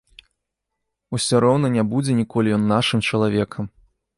Усё роўна не будзе ніколі ён нашым чалавекам.